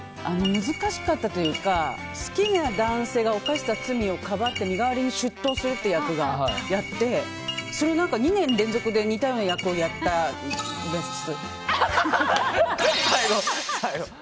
難しかったというか好きな男性が犯した罪をかばって身代わりに出頭するという役をやって２年連続で似たような役をやったんです。